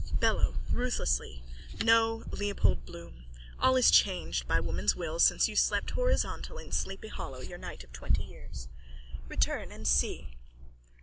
BELLO: (Ruthlessly.) No, Leopold Bloom, all is changed by woman's will since you slept horizontal in Sleepy Hollow your night of twenty years. Return and see.